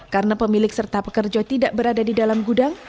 karena pemilik serta pekerja tidak berada di dalam gudang